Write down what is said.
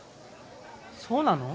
そうなの？